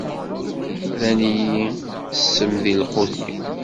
Rran-iyi ssem di lqut-iw.